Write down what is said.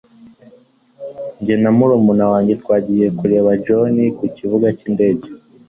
jye na murumuna wanjye twagiye kureba john ku kibuga cy'indege